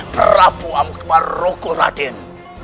prabu amparukul raden